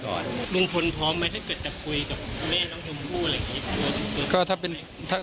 ก็รู้สึกตัวตัวตัวแม่